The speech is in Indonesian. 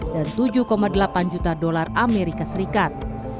dan tujuh delapan juta dolar amerika serikat